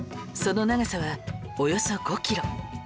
その長さはおよそ５キロ